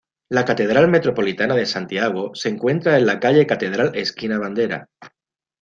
La Catedral Metropolitana de Santiago se encuentra en calle Catedral esquina Bandera.